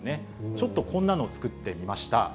ちょっとこんなの作ってみました。